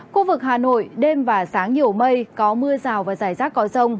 khu vực hà nội đêm và sáng nhiều mây có mưa rào và rải rác có rông